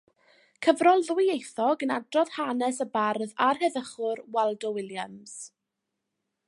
Cyfrol ddwyieithog yn adrodd hanes y bardd a'r heddychwr Waldo Williams.